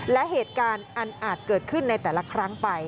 และเหตุการณ์อันอาจเกิดขึ้นในแต่ละครั้งไป